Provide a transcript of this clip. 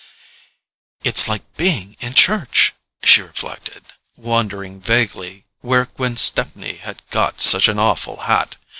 "It's like being in church," she reflected, wondering vaguely where Gwen Stepney had got such an awful hat.